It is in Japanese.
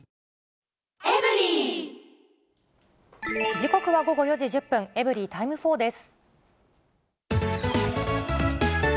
時刻は午後４時１０分、エブリィタイム４です。